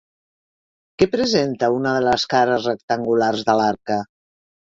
Què presenta una de les cares rectangulars de l'arca?